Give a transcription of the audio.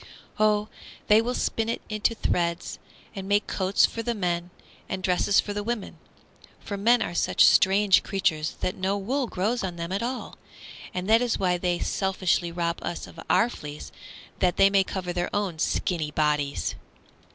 "Oh, they will spin it into threads and make coats for the men and dresses for the women. For men are such strange creatures that no wool grows on them at all, and that is why they selfishly rob us of our fleece that they may cover their own skinny bodies!"